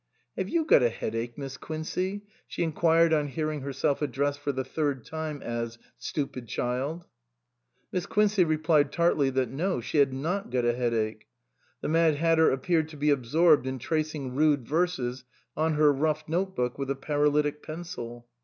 "Have you got a headache Miss Quincey?" she inquired on hearing herself addressed for the third time as " Stupid child !" Miss Quincey replied tartly that no, she had not got a headache. The Mad Hatter appeared to be absorbed in tracing rude verses on her rough notebook with a paralytic pencil.